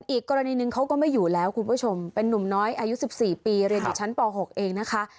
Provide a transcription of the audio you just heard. อีกกรณีหนึ่งเขาก็ไม่อยู่แล้วคุณผู้ชมเป็นนุ่มน้อยอายุ๑๔ปีเรียนอยู่ชั้นป๖เองนะคะ